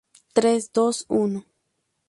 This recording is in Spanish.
tres, dos, uno...